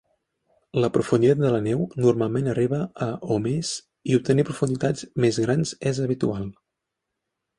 La profunditat de la neu normalment arriba a o més, i obtenir profunditats més grans és habitual.